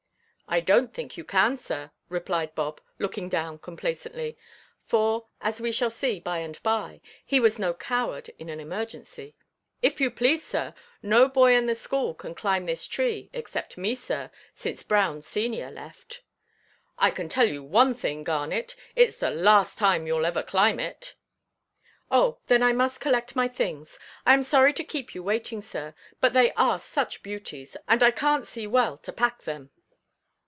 "I donʼt think you can, sir," replied Bob, looking down complacently; for, as we shall see by–and–by, he was no coward in an emergency. "If you please, sir, no boy in the school can climb this tree except me, sir, since Brown senior left." "I can tell you one thing, Garnet: itʼs the last time youʼll ever climb it." "Oh, then I must collect my things; I am sorry to keep you waiting, sir. But they are such beauties, and I canʼt see well to pack them."